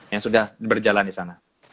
yang sudah berjalan di sana